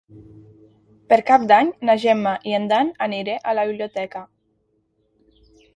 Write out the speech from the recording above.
Per Cap d'Any na Gemma i en Dan aniré a la biblioteca.